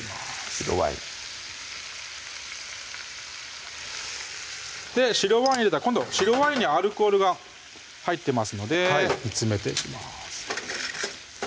白ワイン白ワイン入れたら今度白ワインにアルコールが入ってますので煮詰めていきます